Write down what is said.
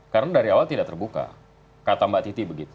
karena dari awal tidak terbuka kata mbak titi begitu